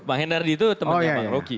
bang hendardi itu temannya bang rocky